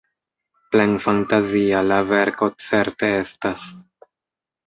Plenfantazia la verko certe estas.